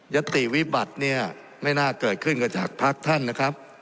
ยัตติวิบัตินี้ไม่น่าเกิดขึ้นกับจากพระอาทิตย์นะครับ